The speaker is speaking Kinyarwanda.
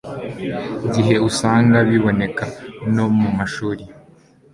gihe usanga biboneka no mu mashuri